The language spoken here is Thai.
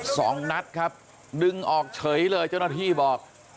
สองนัดครับดึงออกเฉยเลยเจ้าหน้าที่บอก